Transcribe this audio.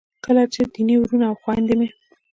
کله چې دیني وروڼه او خویندې مې